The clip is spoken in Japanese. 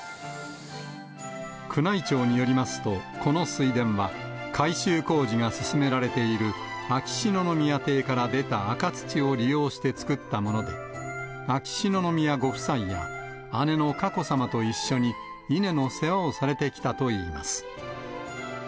宮内庁によりますと、この水田は、改修工事が進められている秋篠宮邸から出た赤土を利用して作ったもので、秋篠宮ご夫妻や姉の佳子さまと一緒に、稲の世話をされてきたといいます。